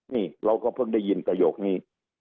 นี่เราก็เพิ่งได้ยินประโยคนี้